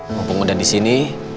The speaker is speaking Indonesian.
walaupun muda disini